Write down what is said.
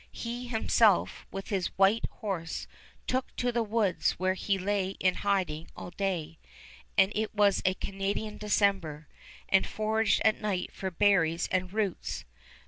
He himself, with his white horse, took to the woods, where he lay in hiding all day and it was a Canadian December and foraged at night for berries and roots.